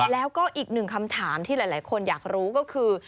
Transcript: แล้วก็อีกหนึ่งคำถามที่หลายคนอยากรู้ก็คือ